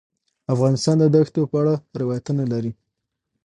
افغانستان د دښتو په اړه روایتونه لري.